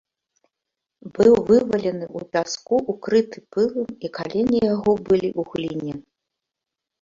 Быў вывалены ў пяску, укрыты пылам, і калені яго былі ў гліне.